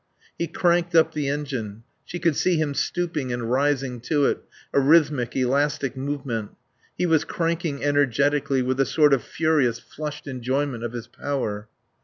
He cranked up the engine. She could see him stooping and rising to it, a rhythmic, elastic movement; he was cranking energetically, with a sort of furious, flushed enjoyment of his power.